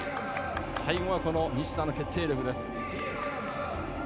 最後は西田の決定力です。